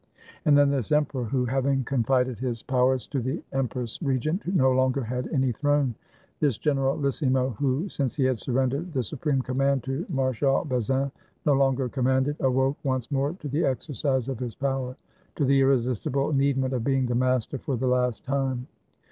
And then this emperor, who, having confided his pow ers to the empress regent, no longer had any throne; this generahssimo, who, since he had surrendered the supreme command to Marshal Bazaine, no longer com manded, awoke once more to the exercise of his power — to the irresistible needment of being the master for the last time.